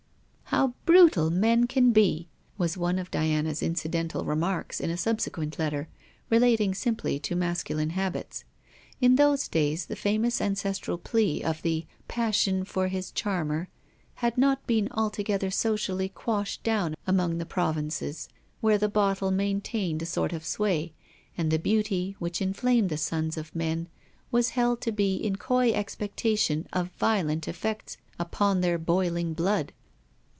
'How brutal men can be!' was one of Diana's incidental remarks, in a subsequent letter, relating simply to masculine habits. In those days the famous ancestral plea of 'the passion for his charmer' had not been altogether socially quashed down among the provinces, where the bottle maintained a sort of sway, and the beauty which inflamed the sons of men was held to be in coy expectation of violent effects upon their boiling blood.